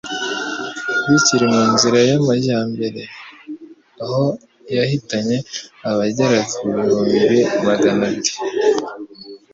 bikiri mu nzira y'amajyambere, aho yahitanye abagera ku bihumbi Magana abiri